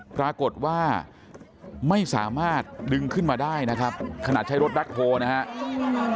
ปรากฏว่าไม่สามารถดึงขึ้นมาได้นะครับขนาดใช้รถแบ็คโฮลนะครับ